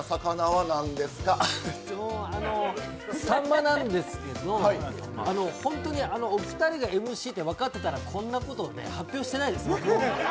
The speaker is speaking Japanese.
さんまなんですけど、本当にお二人がＭＣって分かってたら、こんなこと発表してないですよ